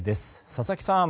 佐々木さん